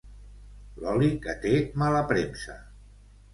L'oli que té mala premsa.